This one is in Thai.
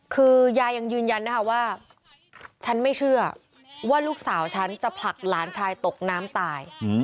คือยายยังยืนยันนะคะว่าฉันไม่เชื่อว่าลูกสาวฉันจะผลักหลานชายตกน้ำตาย